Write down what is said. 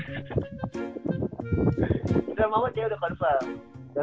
indra muhammad yang udah confirm